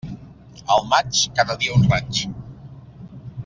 Al maig, cada dia un raig.